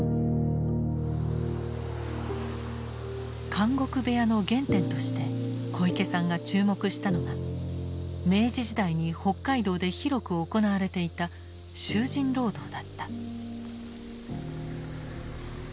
「監獄部屋」の原点として小池さんが注目したのが明治時代に北海道で広く行われていた「囚人労働」だった。